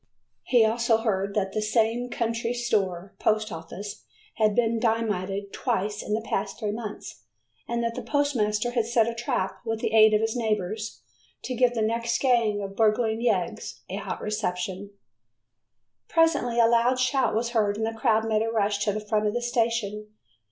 He also heard that the same country store post office had been dynamited twice in the past three months, and that the postmaster had set a trap with the aid of his neighbors, to give the next gang of burgling yeggs a hot reception. Presently a loud shout was heard and the crowd made a rush to the front of the station.